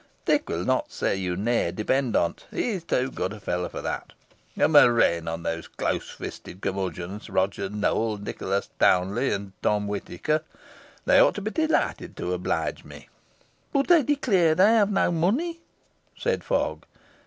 Dick will not say you nay, depend on't; he is too good a fellow for that. A murrain on those close fisted curmudgeons, Roger Nowell, Nicholas Townley, and Tom Whitaker. They ought to be delighted to oblige me." "But they declare they have no money," said Fogg.